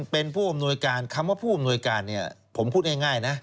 เป็นผู้อำนวยการคำว่าผู้อำนวยการเนี่ยผมพูดง่ายนะ